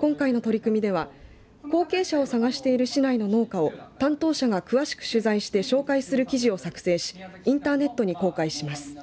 今回の取り組みでは後継者を探している市内の農家を担当者が詳しく取材して紹介する記事を作成しインターネットに公開します。